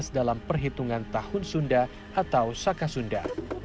dalam perhitungan tahun sunda atau sakasunda